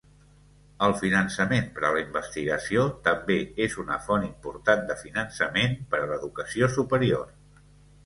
El finançament per a la investigació també és una font important de finançament per a l'educació superior.